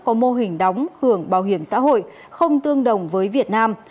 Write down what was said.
có mô hình đóng hưởng bảo hiểm xã hội không tương đồng với việt nam